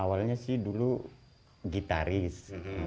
awalnya sih dulu gitaris